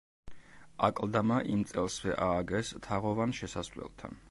აკლდამა იმ წელსვე ააგეს, თაღოვან შესასვლელთან.